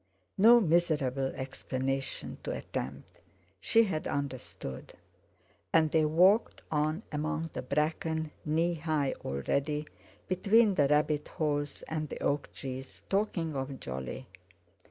No miserable explanation to attempt! She had understood! And they walked on among the bracken, knee high already, between the rabbit holes and the oak trees, talking of Jolly.